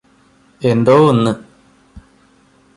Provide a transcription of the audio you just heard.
എന്തോ ഒന്ന്